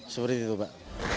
seperti itu mbak